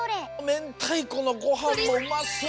めんたいこのごはんもうまそう！